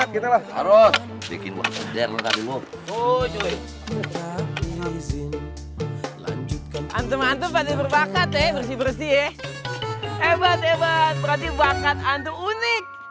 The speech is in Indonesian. hebat hebat berarti bakat hantu unik